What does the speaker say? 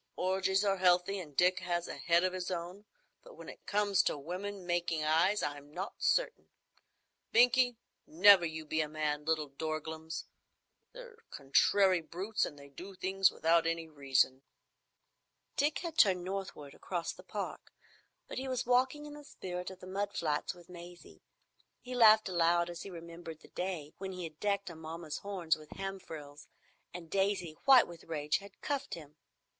"Orgies are healthy, and Dick has a head of his own, but when it comes to women making eyes I'm not so certain,—Binkie, never you be a man, little dorglums. They're contrary brutes, and they do things without any reason." Dick had turned northward across the Park, but he was walking in the spirit on the mud flats with Maisie. He laughed aloud as he remembered the day when he had decked Amomma's horns with the ham frills, and Maisie, white with rage, had cuffed him.